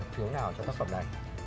thiếu nào cho tác phẩm này